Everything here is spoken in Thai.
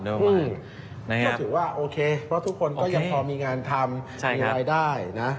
ก็ถือว่าโอเคเพราะทุกคนก็ยังพอมีงานทำมีรายได้นะ